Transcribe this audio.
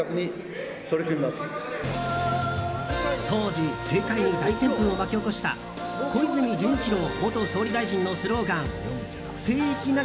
当時、政界に大旋風を巻き起こした小泉純一郎元総理大臣のスローガン聖域